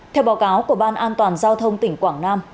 theo báo cáo của ban an toàn giao thông tỉnh quảng nam